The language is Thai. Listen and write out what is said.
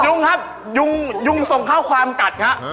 ยุงครับยุงส่งข้อความกัดครับ